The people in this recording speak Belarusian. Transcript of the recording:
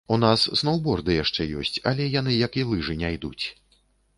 У нас сноўборды яшчэ ёсць, але яны, як і лыжы не ідуць.